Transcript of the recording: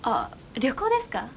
旅行ですか？